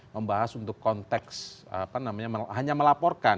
membahas untuk konteks hanya melaporkan